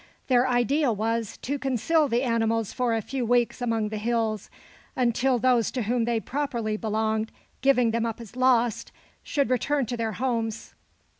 Their idea was, to conceal the animals for a few weeks among the hills, until those to whom they properly belonged, giving them up as lost, should return to their homes.